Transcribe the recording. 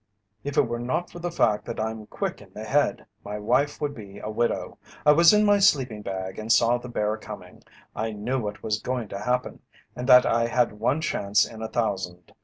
"If it were not for the fact that I'm quick in the head my wife would be a widow. I was in my sleeping bag and saw the bear coming. I knew what was going to happen, and that I had one chance in a thousand.